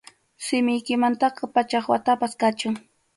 Simiykimantaqa pachak watapas kachun.